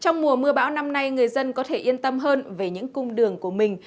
trong mùa mưa bão năm nay người dân có thể yên tâm hơn về những cung đường của mình